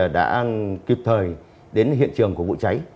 đã kịp thời đến hiện trường của vụ cháy